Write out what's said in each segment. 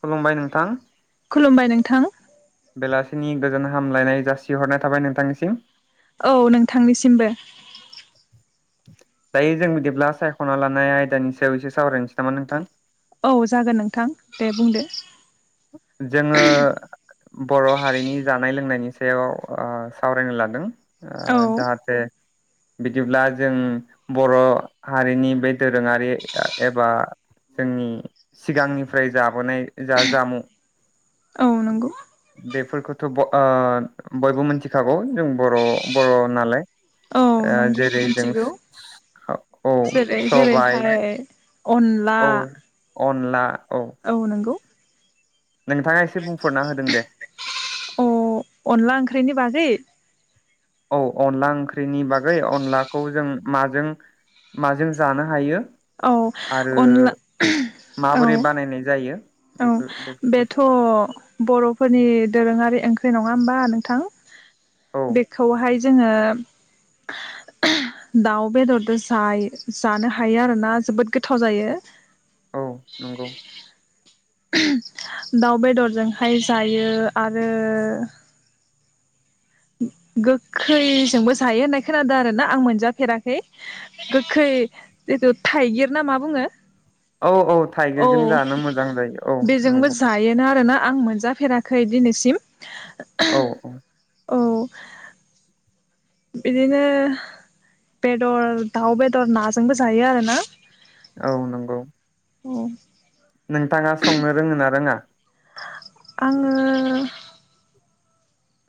खुलुमबाय नोंथां। खुलुमबाय नोंथां। बेलासिनि गोजोन हामलायनाय जासिहरनाय थाबाय नोंथांनिसिम। औ नोंथांनिसिमबो। दायो जों बिदिब्ला सायख'ना लानाय आयदानि सायाव एसे सावरायनोसै नामा नोंथां? औ जागोन नोंथां दे बुंदो। जोङो बर' हारिनि जानाय लोंनायनि सायाव ओ सावरायनो लादों। औ ओ जाहाथे बिदिब्ला जों बर' हारिनि बे दोरोङारि एबा जोंनि सिगांनिफ्राय जाबोनाय जा जामु औ नंगौ। फोरखौथ' ब ओ बयबो मिथिखागौ जों बर' बर' नालाय। औ ओ नंगौ जेरै जों मिथिगौ स-स औ जेरै सबाइ जेरैहाय अनला औ नंगौ। नोंथाङा एसे बुंफोरना होदों दे। अ अनला ओंख्रिनि बागै औ अनला ओंख्रिनि बागै अनलाखौ जों माजों माजों जानो हायो औ आरो अनला औ। माबोरै बानायनाय जायो औ बेफोर बेफोरखौ बेथ' एसे बुं। बर'फोरनि दोरोङारि ओंख्रि नङा होमबा नोंथां। औ बेखौहाय जोङो दाउ बेदरदो जाय जानो हायो आरोना जोबोद गोथाव जायो। औ नंगौ। दाउ बेदरजोंहाय जायो आरो गोखैजोंबो जायो होननाय खोनादो आरोना आं मोनजाफेराखै गोखै जिथु थाइगिर ना मा बुङो? औ औ औ थाइगिरजों जानो मोजां जायो औ बेजोंबो नंगौ। जायोना आरोना आं मोनजाफेराखै दिनैसिम। औ औ। औ। बिदिनो बेदर, दाउ बेदर नाजोंबो जायो आरोना। औ नंगौ। औ। नोंथाङा संनो रोङो ना रोङा? आङो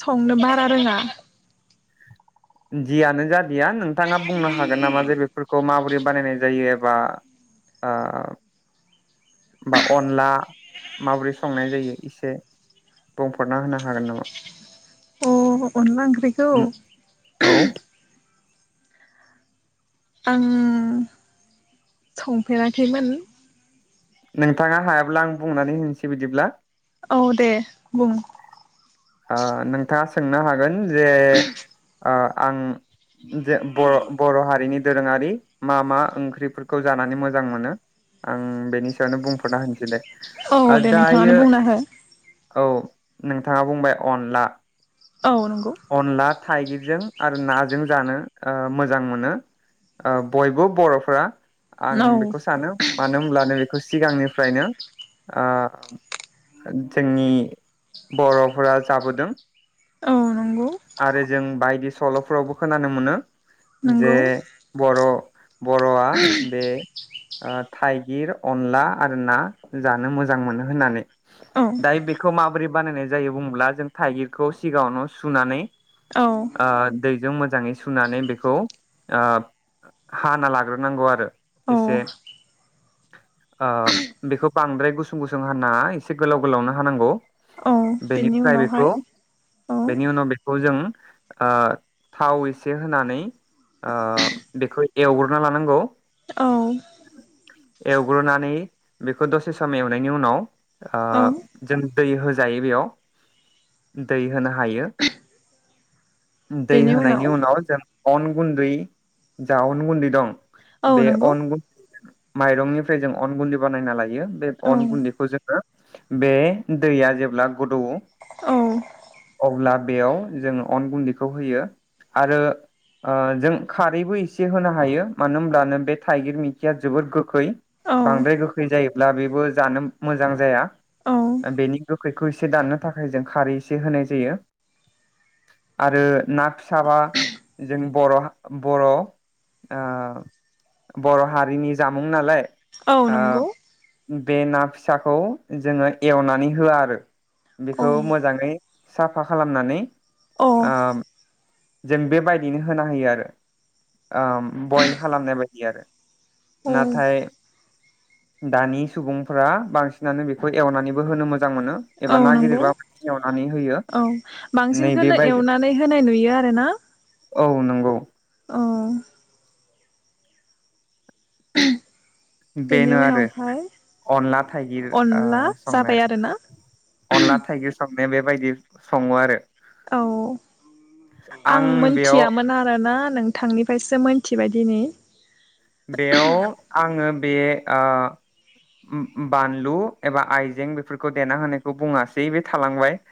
संनो बारा रोङा। जियानो जा या नोंथाङा बुंनो हागोन नामा जे बेफोरखौ माबोरै बानायनाय जायो एबा ओ बा अनला माबोरै संनाय जायो इसे बुंफोरना होनो हागोन नामा? अ अनला ओंख्रिखौ औ आं संफेराखैमोन। नोंथाङा हायाब्ला आं बुंनानै होनोसै बिदिब्ला औ दे बुं। ओ नोंथाङा सोंनो हागोन जे आं जे बर' बर' हारिनि दोरोङारि मा मा ओंख्रिफोरखौ जानानै मोजां मोनो आं बेनि सायावनो बुंफरना होनोसै दे औ दे दायो नोंथाङानो बुंना हो औ नोंथाङा बुंबाय अनला औ नंगौ अनला थाइगिरजों आरो नाजों जानो ओ मोजां मोनो ओ बयबो बरफ्रा आं औ बेखौ सानो मानो होमब्ला नै खौ सिगांनिफ्रायनो ओ जोंनि बरफ्रा जाबोदों औ नंगौ आरो जों बायदि सलफ्रावबो खोनानो मोनो जे नंगौ बर बरआ बे ओ थाइगिर अनला आरो ना जानो मोजां मोनो होननानै औ दायो बेखौ मा ब्रै बानायनाय जायो बुङोब्ला जों थाइगिरखौ सिगाङावन सुनानै औ ओ दैजों मोजाङै सुनानै बेखौ ओ हाना लाग्रोनांगौ आरो एसे औ ओ बेखौ बांद्राय गुसुं गुसुं हानाङा एसे गोलाव गोलावनो हानांगौ औ बेनि बेनिफ्राय उनावहाय बेखौ औ बेनि उनाव बेखौ जों ओ थाव एसे होनानै ओ बेखौ एवग्रोना लानांगौ औ एवग्रोनानै बेखौ दसे सम एवनायनि उनाव ओ औ जों दै होजायो बेयाव दै होनो हायो दै होनायनि उनाव जों अन गुन्दै जा अन गुन्दै दं औ बे नंगौ अनगुन माइरंनिफ्राय जों अन गुन्दै बानायना लायो बे औ अन गुन्दैखौ जोङो बे दैया जेब्ला गदौयो औ अब्ला बेयाव जोङो अन गुन्दैखौ होयो आरो ओ जों खारैबो एसे होनो हायो मानो होनब्लानो बे थाइगिर मैखिया जोबोर गोखै औ बांद्राय गोखै जायोब्ला बेबो जानो मोजां जाया औ ओ बेनि गोखै खो एसे दाननो थाखाय जों खारै एसे होनाय जायो आरो ना फिसाबा जों बर' बर' ओ बर' हारिनि जामुं नालाय औ ओ नोंगौ बे ना फिसाखौ जोङो एवनानै होआ आरो औ बेखौ मोजाङै साफा खालामनानै अ आ जों बेबायदियैनो होना होयो आरो आम बयल खालामनाय बायदि आरो औ नाथाय दानि सुबुंफोरा बांसिनानो बेखौ एवनानैबो होनो मो जां मोनो एबा औ ना नंगौ गिदिर बा [unintelligible] औ बांसिनखौनो एवनानै होनाय नुयो आरोना औ नंगौ औ [unintelligible] बेनि बेनो आरो उनावहाय अनला थाइगिर आ अनला संनो जाबाय आरोना अनला थाइगिर सं नो बेबायदि सङो आरो औ आं मोनथियामोन आरोना नोंथांनिफ्रायसो मोनथिबाय दिनै बेयाव आङो बे ओ बानलु एबा आइजें बेफोरखौ देना होनायखौ बुङासै बे थालांबाय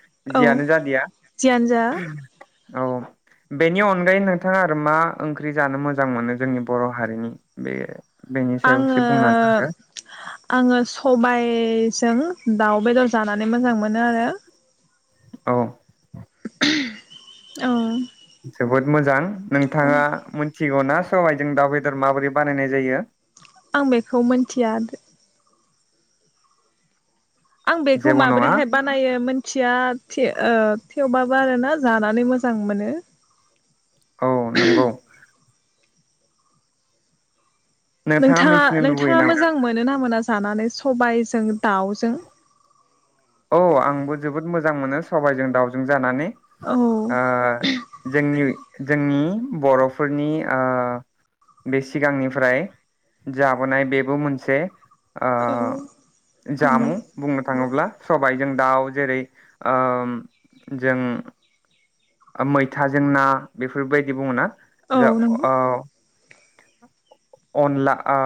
औ जियानो जादिया जियानो जा औ बेनि अनगायै नोंथाङा आरो मा ओंख्रि जानो मोजां मोनो जोंनि बर' हारिनि? बे बेनि सायाव आङो एसे बुंनानै होदो आङो सबाय जों दाउ बेदर जानानै मोजां मोनो आरो औ [unintelligible] औ जोबोद मोजां औ नोंथाङा मोनथि गौना सबायजों दाउ बेदर माबोरै बानायनाय जायो? आं बेखौ मोनथिया आं बेखौ जेबो नङा माबोरैहाय बानायो मोनथिया थियो ओ थेवबाबो आरोना जानानै मोजां मोनो। औ नंगौ नोंथाङा मिथिनो लुबैयो नोंथाङा नामा मोजां मोनो ना मोना जानानै? सबायजों दाउजों औ आंबो जोबोद मोजां मोनो सबाइजों दाउजों जानानै। औ ओ जोंनि जोंनि बर'फोरनि ओ बे सिगांनिफ्राय जाबोनाय बेबो मोनसे औ ओ जामुं बुंनो नंगौ थाङोब्ला [unintelligible] जों दाउ जेरै ओ जों मैथाजों ना बेफोर बायदि बुङोना। औ नंगौ [unintelligible] अनला ओ।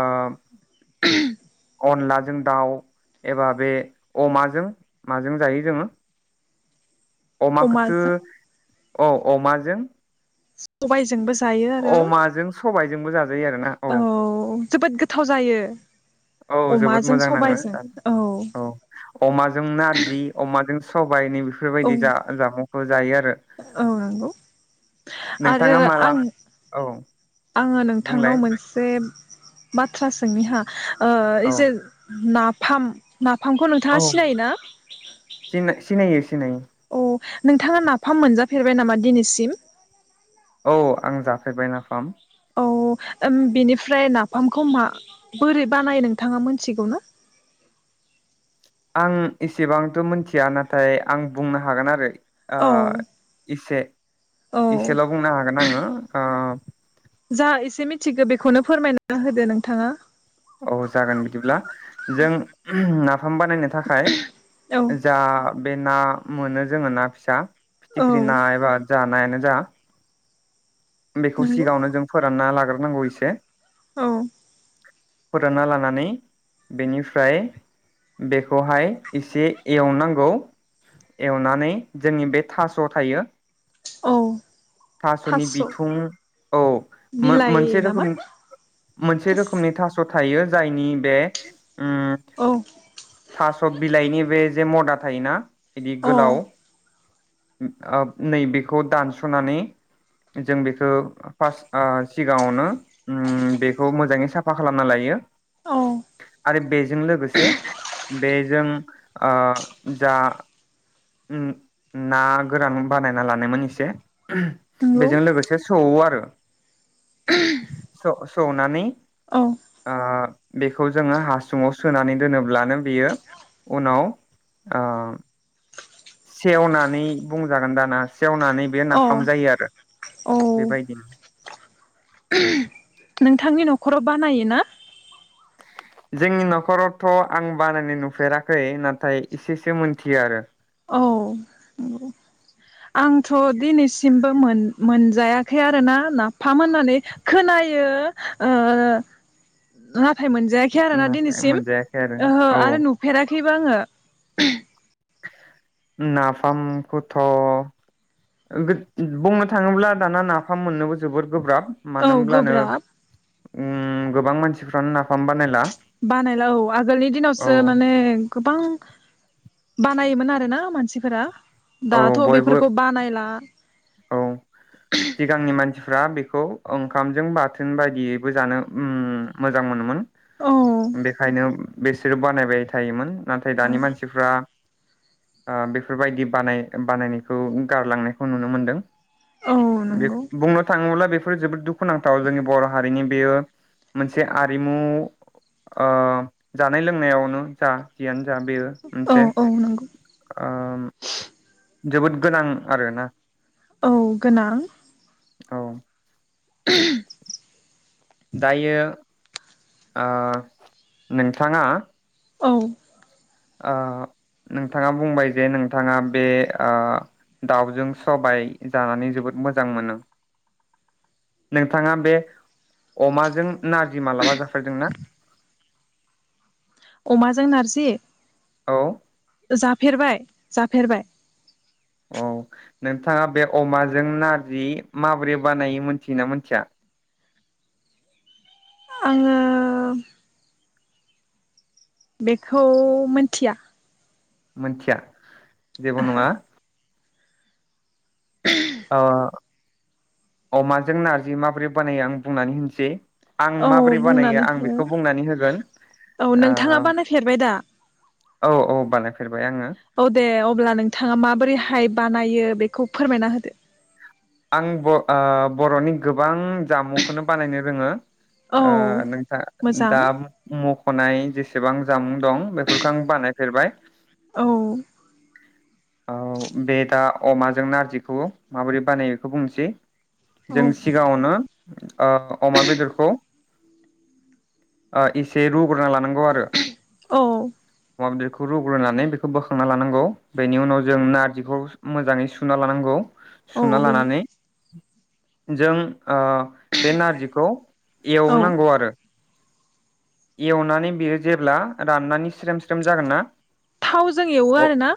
अनलाजों दाउ एबा बे अमाजों माजों जायो जोङो। अमाखोथ अमाजों अ अमाजों। सबायजोंबो जायो आरो। अमाजों सबायजोंबो जा। औ जोबोद गोथाव जायो। औ जोबोद अमाजों मोजां नाङो सबायजों औ अमाजों नारजि अमा [unintelligible] [unintelligible] बेफोर औ बायदि जा-जामुंखौ जायो आरो औ नंगौ आरो नोंथाङा माला आं औ। आङो नोंथांनाव बुंलाय मोनसे बाथ्रा सोंनि हो। औ [unintelligible] फाम नाफामखौ नोंथाङा औ सिनायोना? सिनाय सिनायो सिनायो। औ नोंथाङा नाफाम मोनजा फेरबाय नामा दिनैसिम? औ आं जाफेरबाय नाफाम। अ बेनिफ्राय नाफामखौ मा बोरै बानायो नोंथाङा मोनथिगौ ना। आं एसेबांथ मिथिया नाथाय आं बुंनो हागोन आरो। ओ औ इसे औ इसेल बुंनो हागोन आङो ओ जा एसे मिथिगौ बेखौनो फोरमायना होदो नोंथाङा। औ जागोन बिदिब्ला जों नाफाम बानायनो थाखाय औ जा बे ना मोनो जोङो ना फिसा। औ फिथिख्रि ना एबा। जा नायानो जा। बेखौ नंगौ सिगाङावनो जों फोरान। फोरानना लाग्रोनांगौ इसे। औ फोरानना लानानै बेनिफ्राय बेखौहाय एसे एवनांगौ एवनानै जोंनि बे थास' थायो। औ थास'नि थास' बिथुं औ बिलाइ मो-मोनसे नामा रोखोम मोनसे थास रोखोमनि थास' थायो जायनि बे उम औ थास' बिलाइनि बे जे मदा थायोना बिदि अ गोलाव उम आब नै बेखौ दानसनानै जों बेखौ फार्स्ट आ सिगाङावनो उम बेखौ मोजाङै साफा खालामना लायो औ आरो बेजों लोगोसे बेजों आ जा उम ना गोरान बानायना लानायमोन एसे। नंगौ बेजों लोगोसे सौवो आरो स-सौनानै औ आ बेखौ जोङो हासुङाव सोनानै दोनोब्लानो बेयो उनाव आ सेवनानै बुंजागोन दाना सेवनानै बे ना औ फाम जायो आरो औ बेबायदिनो नोंथांनि न'खराव बानायो ना? जोंनि न'खरावथ' आं बानायनाय नुफेराखै नाथाय एसेसो मोनथियो आरो। औ आंथ' दिनैसिमबो मोन-मोनजायाखै आरोना नाफाम होननानै खोनायो ओ ना फाम मोनजायाखै आरोना नाथाय दिनैसिम मोनजायाखै आरो ओहो औ आरो नुफेराखै [unintelligible] नाफामखौथ' बे बुंनो थाङोब्ला दाना नाफाम मोननोबो जोबोद गोब्राब। औ मानो होमब्लानो गोब्राब उम गोबां मानसिफ्रानो ना बानायला औ आगोलनि औ दिनावसो माने गोबां बा नायोमोन आरो ना मानसिफोरा। औ दाथ' बयबो बेफोरखौ बानायला। औ सिगांनि मान मानसिफ्रा बेखौ ओंखामजों बाथोन बायदियैबो जानो उम मोजां मोनोमोन। औ बेखायनो बेसोरो बानायबाय थायोमोन। नाथाय दानि मानसिफ्रा आ बेफोरबायदि बानाय बानायनायखौ गारलांनायखौ नुनो मोनदों। औ नंगौ बि-बुंनो थाङोब्ला बे फोर जोबोद दुखुनांथाव जोंनि बर' हारिनि बेयो मोनसे आरिमु ओ जानाय लोंनायावनो जा जिया जा बेयो औ मोनसे औ नंगौ उम जोबोद गोनां आरोना। औ गोनां। औ [unintelligible] दायो आ नोंथाङा औ ओ नोंथाङा बुंबाय जे नोंथाङा बे आ दाउजों सबाय जानानै जोबोद मोजां मोनो नोंथाङा बे अमाजों नारजि मालाबा जाफेरदोंना? अमाजों नारजि औ जाफेरबाय जाफेरबाय औ नोंथाङा बे अमाजों नारजि माबोरै बानायो मोनथियो ना मोनथिया? आङो बेखौ मिथिया मोनथिया जेबो नङा औ अमाजों नारजि माबोरै बानायो आं बुंनानै होनोसै आं औ माबोरै बानायो बुंनानै आं हो बेखौ बुंनानै होगोन औ ओ नोंथाङा बानायफेरबाय दा औ औ बानायफेर औ दे अब्ला नोंथाङा माबोरैहाय बानायो बेखौ फोरमायना होदो। आं ब ओ बरनि गोबां जामुंखौनो बानायनो रोङो औ ओ नोंथां मोजां दा म खनाय जेसेबां जामुं दं बेफोरखौ आं बानायफेरबाय औ औ बे दा अमाजों नारजिखौ माबोरै बानायो खौ बुंनोसै जों औ सिगाङावनो ओ अमा बेदरखौ आ इसे रु ग्रुना लानांगौ आरो औ अमा बेदरखौ रुग्रोनानै बेखौ बोखांना लानांगौ बेनि उनाव जों नारजिखौ मोजाङै सुना लानांगौ औ सुना बेनो लानानै जों ओ बे नारजिखौ औ एवनांगौ आरो एवनानै बियो जेब्ला राननानै स्रेम स्रेम जागोन ना थावजों एवो अ आरो ना?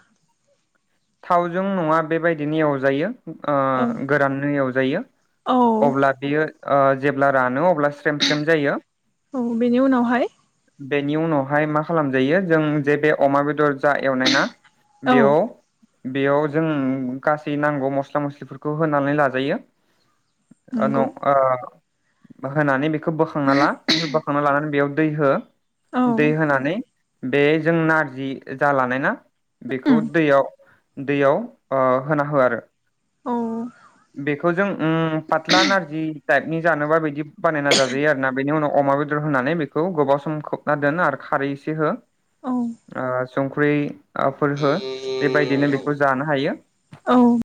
थावजों नङा बेबायदिनो एवजायो ओ औ गोराननो एव जायो औ अब्ला बियो ओ जेब्ला रानो अ ब्ला स्रेम स्रेम जायो हाय बेनि उनावहाय मा खालामजायो जों जे बे अमा बेदर जा एवनाय ना औ बेयाव बेयाव जों गासै नांगौ मस्ला मस्लिफोरखौ होनानै लाजायो ओ न नंगौ आ मा होनानै बे बोखांना ला बेनि‌ बा बेयाव दै हो औ दै होनानै बे जों नारजि जालानाय ना बेखौ उम दैयाव दैयाव ओ होना हो आरो औ बेखो खौ जों उम फाथ्ला नारजि टाइप नि जानोबा बिबदि बानायना जा जायो आरोना बेनि उनाव अमा बेदर होनानै बेखौ गोबाव सम खोबना दोन आरो खारै एसे हो औ आ संख्रि आ फोर हो बेबायदिनो बेखौ खौ जानो हायो औ